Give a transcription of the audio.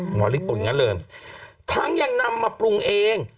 หมอลิสบุญเริ่มทั้งยังนำมาปรุงเอง